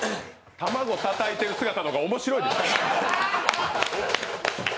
卵たたいてる姿の方が面白い。